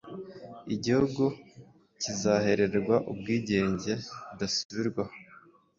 igihugu kizahererwa ubwigenge.bidasubirwaho